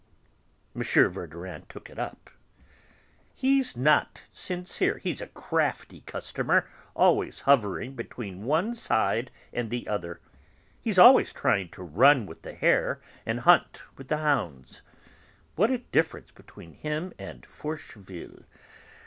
M. Verdurin took it up. "He's not sincere. He's a crafty customer, always hovering between one side and the other. He's always trying to run with the hare and hunt with the hounds. What a difference between him and Forcheville.